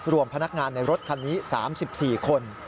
พนักงานในรถคันนี้๓๔คน